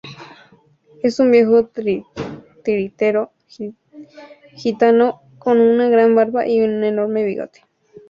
Es un viejo titiritero gitano con una gran barba y un enorme bigote.